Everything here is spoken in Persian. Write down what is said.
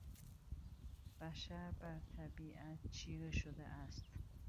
بشر بر طبیعت چیره شده است.